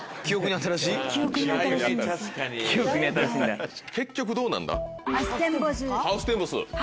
ハウステンボスは。